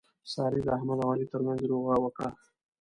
سارې د احمد او علي ترمنځ روغه وکړه.